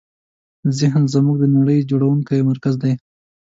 ذهن زموږ د نړۍ جوړوونکی مرکز دی.